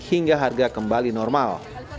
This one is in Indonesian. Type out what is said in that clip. hingga harga kembali normal